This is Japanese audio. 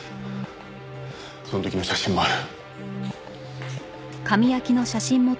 その時の写真もある。